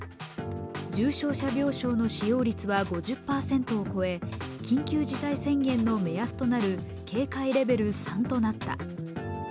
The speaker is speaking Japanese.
重症者病床の使用率は５０％を超え緊急事態宣言の目安となる警戒レベル３となった。